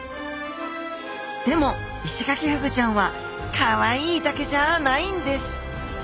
でもイシガキフグちゃんはかわいいだけじゃないんです！